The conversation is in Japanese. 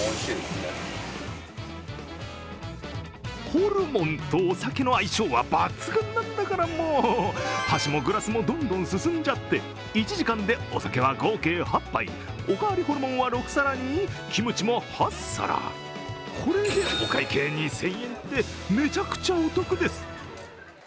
ホルモンとお酒の相性は抜群なんだから、もう、箸もグラスもどんどん進んじゃって１時間でお酒は合計８杯、おかわりホルモンは６杯にキムチも８皿、これでお会計２０００円って、めちゃくちゃお得です。